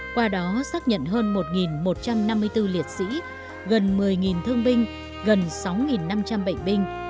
qua đó xác nhận hơn một một trăm năm mươi bốn liệt sĩ gần một mươi thương binh gần sáu năm trăm linh bệnh binh